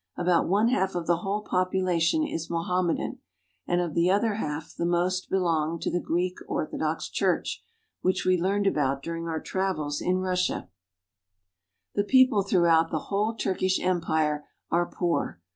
About one half of the whole popula tion is Mohammedan ; and of the other half the most be long to the Greek Orthodox Church, which we learned about during our travels in Russia. Turkish Officer. 374 TURKEY. The people throughout the whole Turkish Empire are poor.